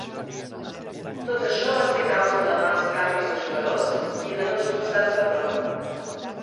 Tot això va ser causa de mals canvis de jugadors i de no esforçar-se prou.